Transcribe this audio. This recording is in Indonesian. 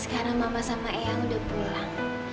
sekarang mama sama ea sudah pulang